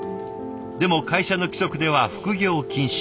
でも会社の規則では副業禁止。